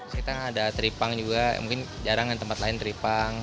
kita ada teripang juga mungkin jarang tempat lain teripang